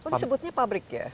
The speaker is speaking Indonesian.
oh disebutnya pabrik ya